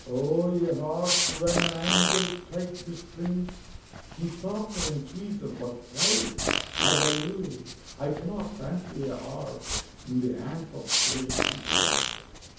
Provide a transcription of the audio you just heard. O a harp when an angel strikes the strings Is softer and sweeter, but try As I will, I cannot fancy a harp In the hands of, say, Peter MacKay.